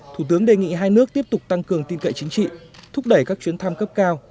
thủ tướng đề nghị hai nước tiếp tục tăng cường tin cậy chính trị thúc đẩy các chuyến thăm cấp cao